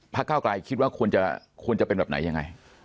ปลั๊กเก้าไกลคิดว่าควรจะเป็นแบบไหนอย่างไร